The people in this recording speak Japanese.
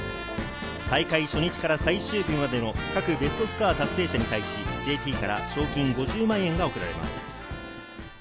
大会初日から最終日までの各ベストスコア達成者に対し、ＪＴから賞金５０万円が贈られます。